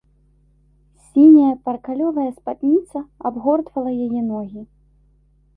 Сіняя паркалёвая спадніца абгортвала яе ногі.